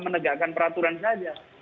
menegakkan peraturan saja